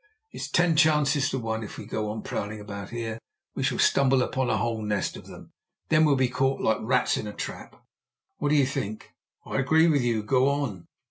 It's ten chances to one, if we go on prowling about here, we shall stumble upon the whole nest of them then we'll be caught like rats in a trap. What do you think?" "I agree with you. Go on."